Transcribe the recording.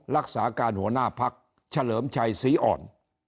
รักษาการหัวหน้าพักเฉลิมชัยศรีอ่อน